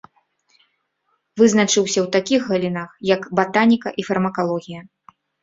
Вызначыўся ў такіх галінах, як батаніка і фармакалогія.